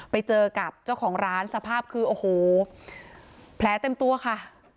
ไปเจอกับเจ้าของร้านสภาพคือโอ้โหแผลเต็มตัวค่ะ